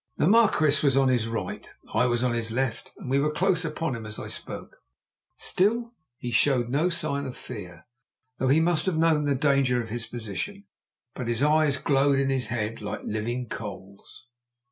The Marquis was on his right, I was on his left, and we were close upon him as I spoke. Still he showed no sign of fear, though he must have known the danger of his position. But his eyes glowed in his head like living coals.